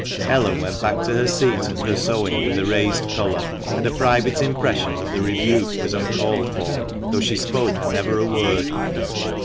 Ellen went back to her seat and her sewing with a raised colour, and a private impression that the rebuke was uncalled for, though she spoke never a word.